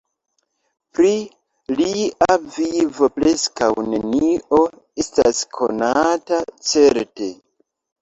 Pri lia vivo preskaŭ nenio estas konata certe.